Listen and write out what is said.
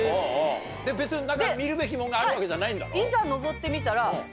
別に何か見るべきもんがあるわけじゃないんだろ？